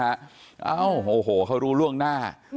เอ้าโอ้โหเขารู้ล่วงหน้า